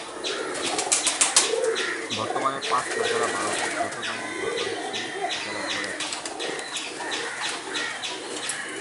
বর্তমানে পাটনা জেলা ভারতের দ্রুততম বর্ধনশীল জেলাগুলির একটি।